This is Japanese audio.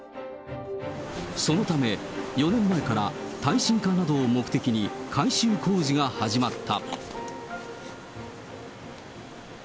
そのため、４年前から耐震化などを目的に改修工事が始まった。